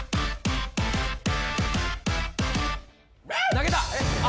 投げた！